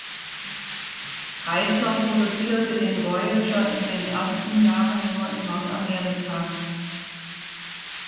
Chrysler produzierte den Voyager in den ersten Jahren nur in Nordamerika.